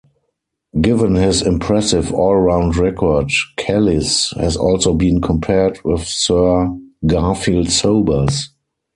Given his impressive all-round record, Kallis has also been compared with Sir Garfield Sobers.